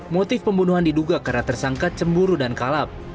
motif pembunuhan diduga karena tersangka cemburu dan kalap